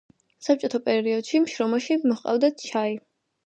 საბჭოთა პერიოდში შრომაში მოჰყავდათ ჩაი.